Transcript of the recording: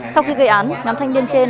sau khi gây án nhóm thanh niên trên